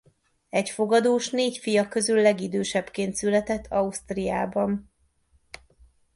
Egy fogadós négy fia közül legidősebbként született Ausztriában.